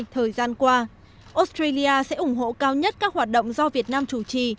thời gian qua australia sẽ ủng hộ cao nhất các hoạt động do việt nam chủ trì